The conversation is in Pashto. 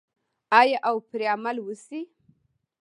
آیا او پرې عمل وشي؟